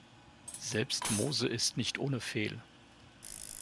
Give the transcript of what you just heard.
Selbst Mose ist nicht ohne Fehl.